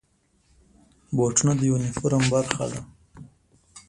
بوټونه د یونیفورم برخه ده.